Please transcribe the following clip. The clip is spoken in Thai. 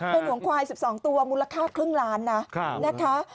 เป็นห่วงควาย๑๒ตัวมูลค่าครึ่งล้านนะนะคะ